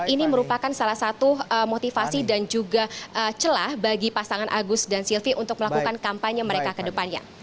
ini merupakan salah satu motivasi dan juga celah bagi pasangan agus dan silvi untuk melakukan kampanye mereka ke depannya